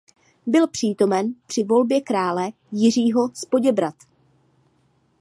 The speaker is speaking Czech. Byl přítomen při volbě krále Jiřího z Poděbrad.